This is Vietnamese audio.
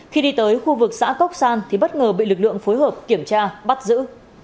khi đi tới khu vực xã cốc san thì bất ngờ bị lực lượng phối hợp kiểm tra bắt giữ